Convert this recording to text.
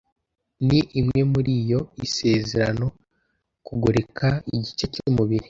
ni imwe muriyo isezerana kugoreka igice cyumubiri